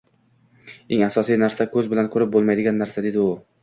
— Eng asosiy narsa — ko‘z bilan ko‘rib bo‘lmaydigan narsa... — dedi u.